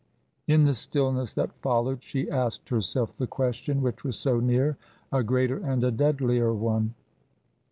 In the stillness that followed she asked herself the question which was so near a greater and a deadlier one.